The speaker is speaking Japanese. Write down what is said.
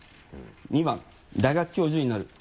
２番大学教授になる。